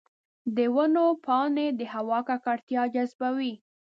د ونو پاڼې د هوا ککړتیا جذبوي.